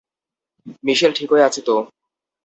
মিশেল ঠিক আছে তো?